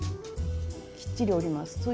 きっちり折ります。